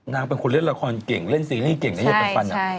นางเป็นคนเล่นละครเก่งเล่นซีรีส์เก่งอย่างเยอะเป็นฟัน